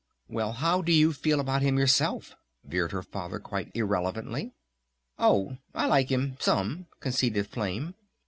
"Well, how do you feel about him yourself?" veered her Father quite irrelevantly. "Oh, I like him some," conceded Flame.